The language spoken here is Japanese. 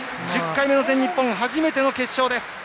１０回目の全日本初めての決勝です。